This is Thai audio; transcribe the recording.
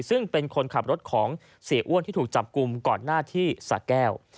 ซึ่งเป็นคนขับรถของเสียอ้วนที่ถูกจับกลุ่มก่อนหน้าที่สะแก้ว